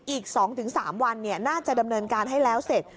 อีก๒๓วันน่าจะดำเนินการให้แล้วเสร็จ